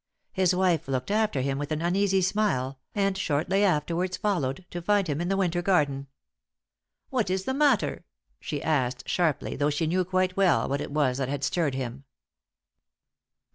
His wife looked after him with an uneasy smile, and shortly afterwards followed, to find him in the winter garden. "What is the matter?" she asked, sharply, though she knew quite well what it was that had stirred him.